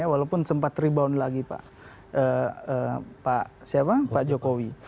walaupun sempat rebound lagi pak jokowi